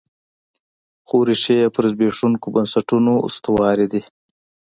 خو ریښې یې پر زبېښونکو بنسټونو استوارې دي.